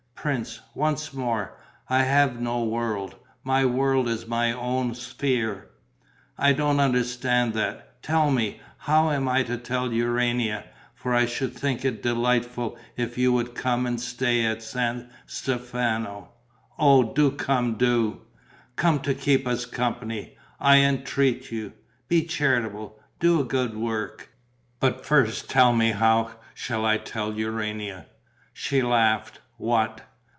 "Prince, once more, I have no world. My world is my own sphere." "I don't understand that. Tell me, how am I to tell Urania? For I should think it delightful if you would come and stay at San Stefano. Oh, do come, do: come to keep us company. I entreat you. Be charitable, do a good work.... But first tell me, how shall I tell Urania?" She laughed: "What?"